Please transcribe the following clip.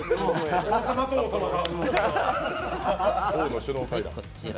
王様と王様が。